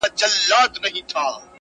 که یو ځلي دي نغمه کړه راته سازه٫